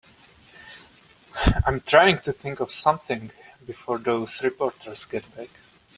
I'm trying to think of something before those reporters get back.